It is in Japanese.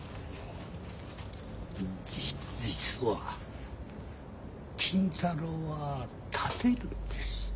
実は金太郎は立てるんです。